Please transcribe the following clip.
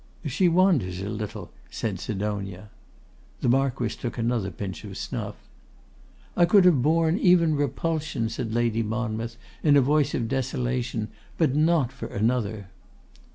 'She wanders a little,' said Sidonia. The Marquess took another pinch of snuff. 'I could have borne even repulsion,' said Lady Monmouth, in a voice of desolation, 'but not for another!